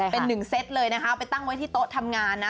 เป็นหนึ่งเซตเลยนะคะไปตั้งไว้ที่โต๊ะทำงานนะ